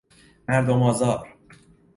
مردم آزار